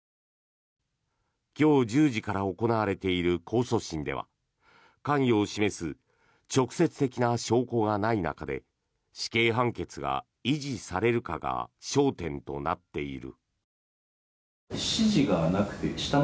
今日１０時から行われている控訴審では関与を示す直接的な証拠がない中で死刑判決が維持されるかが焦点となっている。